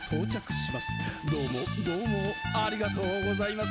「どうもどうもありがとうございます」